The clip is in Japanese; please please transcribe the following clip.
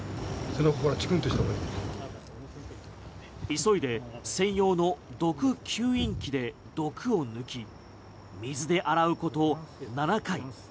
急いで専用の毒吸引器で毒を抜き水で洗うこと７回。